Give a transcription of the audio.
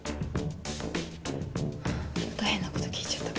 また変なこと聞いちゃったか。